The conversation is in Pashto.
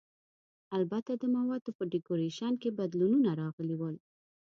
البته د موادو په ډیکورېشن کې بدلونونه راغلي ول.